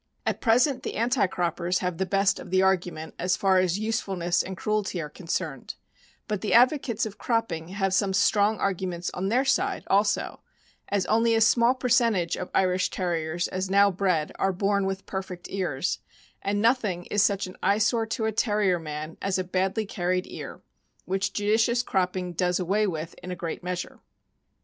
At present the anti croppers have the best of the argument as far as usefulnesss and cruelty are concerned, but the advocates of cropping have some strong argu ments on their side, also, as only a small percentage of Irish Terriers, as now bred, are born with perfect ears; and noth ing is such an eye sore to a Terrier man as a badly carried ear, which judicious cropping does away with in a great measure.